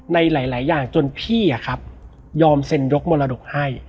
ในหลายอย่างจนพี่ยอมเซ็นยกมรดกให้